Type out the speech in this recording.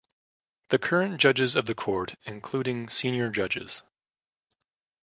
The current judges of the court including senior judges.